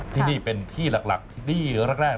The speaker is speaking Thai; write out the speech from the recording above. ที่นี่เป็นที่หลักที่หลีกหรือหลักแรก